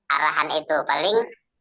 arahan itu paling